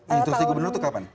instruksi gubernur itu kapan